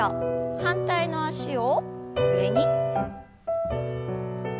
反対の脚を上に。